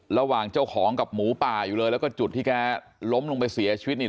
ระหว่างเจ้าของกับหมูป่าอยู่เลยแล้วก็จุดที่แกล้มลงไปเสียชีวิตนี่